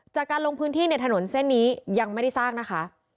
จากการลงพื้นที่ในถนนเส้นนี้ยังไม่ได้สร้างนะคะ